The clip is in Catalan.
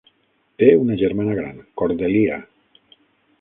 Té una germana gran, Cordelia.